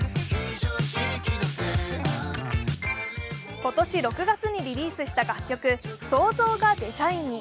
今年６月にリリースした楽曲「創造」がデザインに。